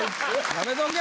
やめとけ！